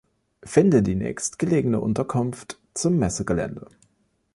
Finde die nächstgelegene Unterkunft zum Messegelände.